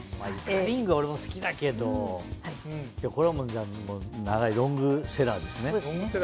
リングは俺も好きだけどこれは長いロングセラーですね。